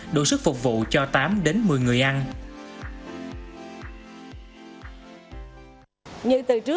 đủ sức phục vụ cho tám đến một mươi người ăn